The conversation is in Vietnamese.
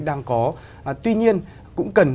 đang có tuy nhiên cũng cần